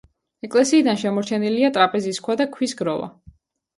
ეკლესიიდან შემორჩენილია ტრაპეზის ქვა და ქვის გროვა.